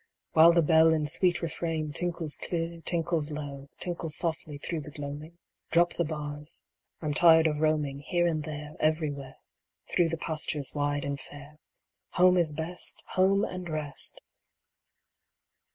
While the bell in sweet refrain Tinkles clear, tinkles low — Tinkles softly through the gloaming, *' Drop the bars — I'm tired of roaming Here and there, everywhere Through the pastures wide and fair. Home is best. Home and rest